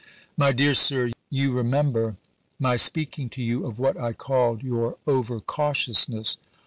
My Dear Sir : You remember my speaking to you * of what I called your over cautiousness.